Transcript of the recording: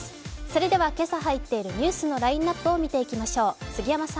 それでは今朝入っているニュースのラインナップを見ていきましょう。